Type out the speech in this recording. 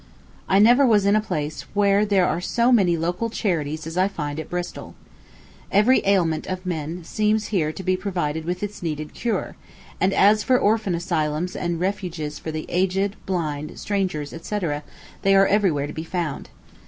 I never was in a place where there are so many local charities as I find at Bristol. Every ailment of man seems here to be provided with its needed cure; and as for orphan asylums and refuges for the aged, blind, strangers, &c., they are every where to be found.